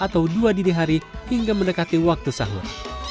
atau dua dini hari hingga mendekati waktu sahur